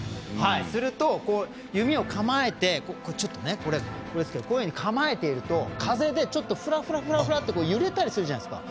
すると、弓を構えてこれですけどこういうふうに構えていると風でふらふらって揺れたりするじゃないですか。